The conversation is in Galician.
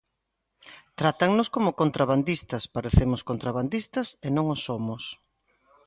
Trátannos como contrabandistas, parecemos contrabandistas e non o somos.